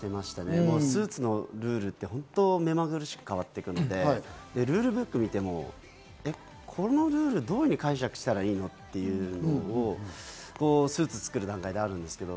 スーツのルールって本当に目まぐるしく変わっていくのでルールブックを見ても、このルール、どういうふうに解釈したらいいの？っていうのがスーツを作る段階であります。